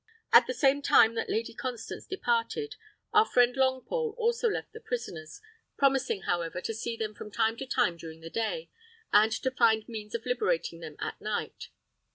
At the same time that Lady Constance departed, our friend Longpole also left the prisoners; promising, however, to see them from time to time during the day, and to find means of liberating them at night.